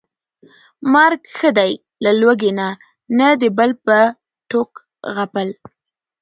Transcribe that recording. مرګ ښه دى له لوږې نه، نه د بل په ټوک غپل